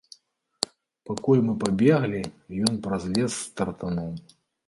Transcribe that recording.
Пакуль мы пабеглі, ён праз лес стартануў.